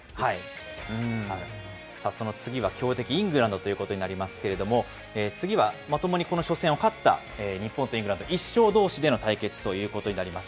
その次は強敵イングランドということになりますけれども、次はともに初戦を勝った日本とイングランド、１勝どうしでの対決ということになります。